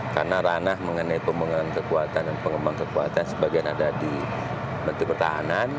karena ranah mengenai pengembangan kekuatan dan pengembangan kekuatan sebagian ada di menteri pertahanan